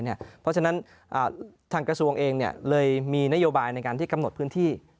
เพราะฉะนั้นทางกระทรวงเองเลยมีนโยบายในการที่กำหนดพื้นที่